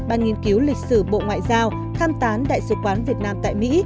ban nghiên cứu lịch sử bộ ngoại giao tham tán đại sứ quán việt nam tại mỹ